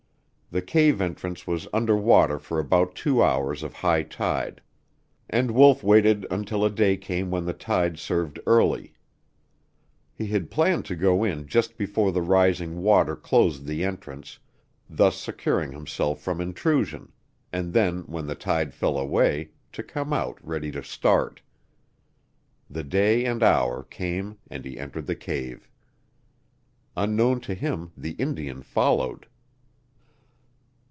The cave entrance was under water for about two hours of high tide, and Wolf waited until a day came when the tide served early. He had planned to go in just before the rising water closed the entrance, thus securing himself from intrusion; and then, when the tide fell away, to come out ready to start. The day and hour came and he entered the cave. Unknown to him the Indian followed!